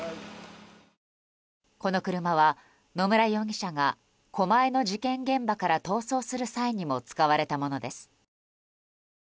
この車は野村容疑者が狛江の事件現場から逃走する際にも使われたものです。